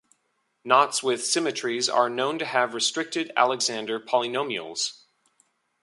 Knots with symmetries are known to have restricted Alexander polynomials.